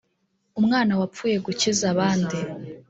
umwana wapfuye gukiza abandi